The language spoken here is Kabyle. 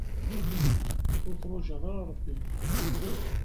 Ur turǧaḍ ara Ṛebbi!